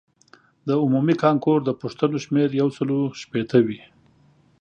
د عمومي کانکور د پوښتنو شمېر یو سلو شپیته وي.